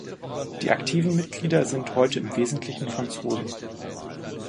Die aktiven Mitglieder sind heute im Wesentlichen Franzosen.